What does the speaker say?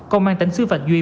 còn mang tính xứ phạm duy